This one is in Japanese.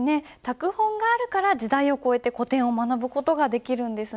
拓本があるから時代を超えて古典を学ぶ事ができるんですね。